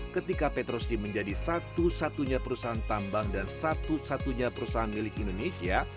ketika petrosi menjadi satu satunya perusahaan tambang dan satu satunya perusahaan milik indonesia